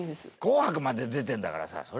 『紅白』まで出てるんだからさ